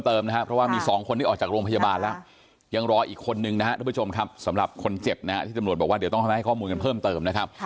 เพราะว่ามี๒คนที่ออกจากโรงพยาบาลแล้วยังรออีกคนนึงนะครับทุกผู้ชมครับสำหรับคนเจ็บนะฮะที่ตำรวจบอกว่าเดี๋ยวต้องให้ข้อมูลกันเพิ่มเติมนะครับ